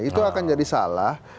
itu akan jadi salah